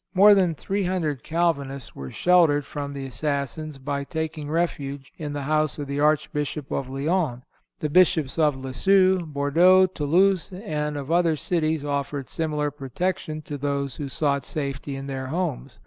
More than three hundred Calvinists were sheltered from the assassins by taking refuge in the house of the Archbishop of Lyons. The Bishops of Lisieux, Bordeaux, Toulouse and of other cities offered similar protection to those who sought safety in their homes.